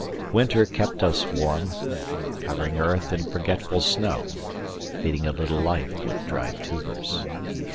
Winter kept us warm, covering 5 Earth in forgetful snow, feeding A little life with dried tubers.